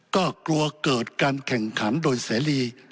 ก็กลัวเกิดการแข่งขันโดยเสรี